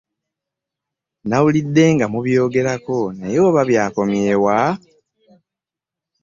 Nawulidde nga mubyogerako naye oba byakomye wa?